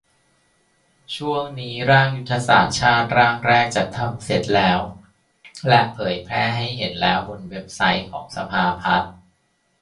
ช่วงนี้ร่าง ยุทธศาสตร์ชาติ ร่างแรกจัดทำเสร็จแล้ว และเผยแพร่ให้เห็นแล้วบนเว็บไซต์ของสภาพัฒน์